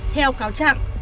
theo cáo chạm